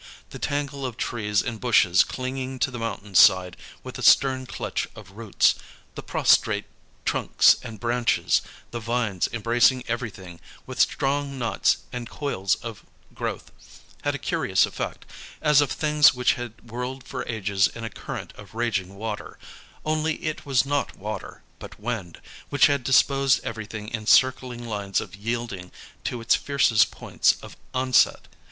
The tangle of trees and bushes clinging to the mountain side with a stern clutch of roots, the prostrate trunks and branches, the vines embracing everything with strong knots and coils of growth, had a curious effect, as of things which had whirled for ages in a current of raging water, only it was not water, but wind, which had disposed everything in circling lines of yielding to its fiercest points of onset.